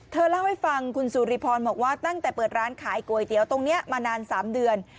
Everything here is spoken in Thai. เธอเล่าให้ฟังคุณสุริพรบอกว่าตั้งแต่เปิดร้านขายก๋วยเตี๋ยวตรงนี้มานาน๓เดือน